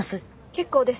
結構です。